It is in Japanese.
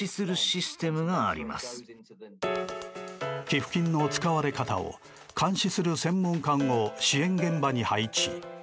寄付金の使われ方を監視する専門官を支援現場に配置。